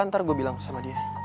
ntar gue bilang sama dia